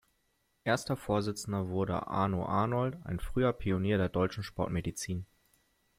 Erster Vorsitzender wurde Arno Arnold, ein früher Pionier der deutschen Sportmedizin.